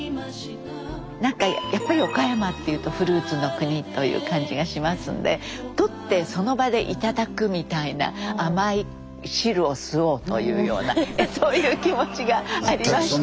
何かやっぱり岡山っていうとフルーツの国という感じがしますんでとってその場でいただくみたいな甘い汁を吸おうというようなそういう気持ちがありました。